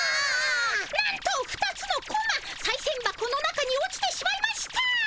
なんと２つのコマさいせん箱の中に落ちてしまいました。